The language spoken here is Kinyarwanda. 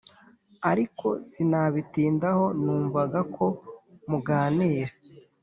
ariko sinabitindaho numvaga ko muganira"